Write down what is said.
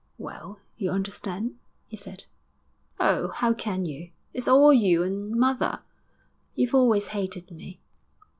'Well, you understand?' he said. 'Oh, how can you! It's all you and mother. You've always hated me.